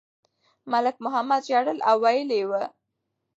ملک محمد ژړل او ویلي یې وو.